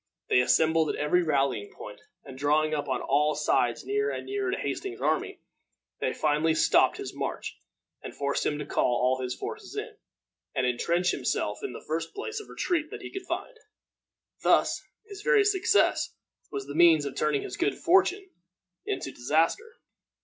They assembled at every rallying point, and, drawing up on all sides nearer and nearer to Hastings's army, they finally stopped his march, and forced him to call all his forces in, and intrench himself in the first place of retreat that he could find. Thus his very success was the means of turning his good fortune into disaster.